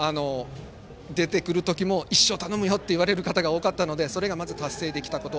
出てくる時も１勝頼むよ！と言われる方も多かったのでそれがまず達成できたこと。